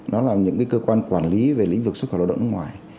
nó là những cơ quan quản lý về lĩnh vực xuất khẩu lao động nước ngoài